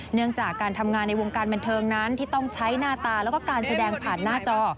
เนื่องจากการทำงานในวงการบันเทิงนั้นที่ต้องใช้หน้าตาแล้วก็การแสดงผ่านหน้าจอ